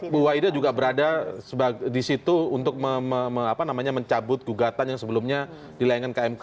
bu waida juga berada di situ untuk mencabut gugatan yang sebelumnya dilayangkan ke mk